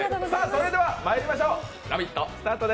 それではまいりましょう、「ラヴィット！」